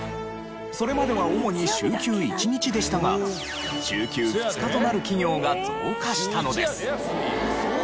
それまでは主に週休１日でしたが週休２日となる企業が増加したのです。